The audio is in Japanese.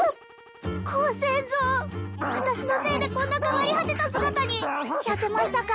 私のせいでこんな変わり果てた姿に痩せましたか？